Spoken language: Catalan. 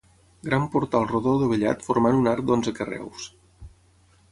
Gran portal rodó dovellat formant un arc d'onze carreus.